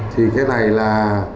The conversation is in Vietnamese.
thì cái này là